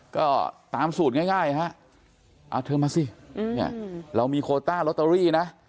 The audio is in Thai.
ก็ตามสูตรง่ายฮะเอาเธอมาสิเนี่ยเรามีโคต้าลอตเตอรี่นะ